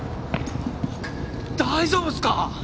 大丈夫っすか？